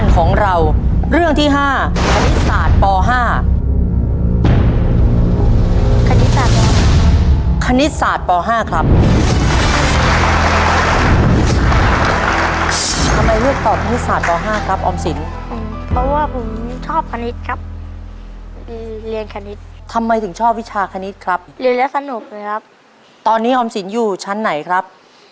คณิตศาสตร์อะไรครับ